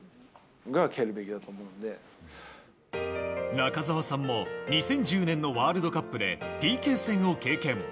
中澤さんも２０１０年のワールドカップでＰＫ戦を経験。